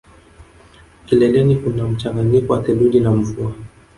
Kileleni kuna mchanganyiko wa theluji na mvua